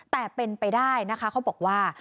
แต่เป็นไปได้นะคะเขาบอกว่า